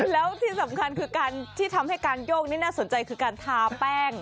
แล้วที่สำคัญคือการที่ทำให้การโยกนี่น่าสนใจคือการทาแป้ง